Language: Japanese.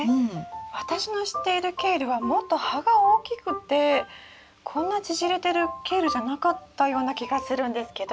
私の知っているケールはもっと葉が大きくてこんな縮れてるケールじゃなかったような気がするんですけど。